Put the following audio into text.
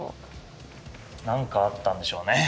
なんかあったんでしょうね。